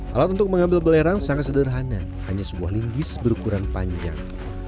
alat untuk mengambil belerang sangat sederhana hanya sebuah linggis berukuran panjang